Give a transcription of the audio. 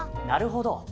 なるほど。